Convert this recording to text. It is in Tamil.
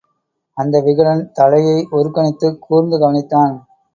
அந்த விகடன், தலையை ஒருக்கணித்துக் கூர்ந்து கவனித்தான்.